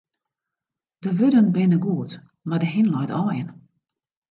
De wurden binne goed, mar de hin leit aaien.